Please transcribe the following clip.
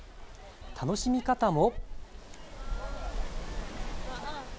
楽しみ方も。